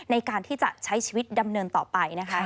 ในการที่จะใช้ชีวิตดำเนินต่อไปนะคะ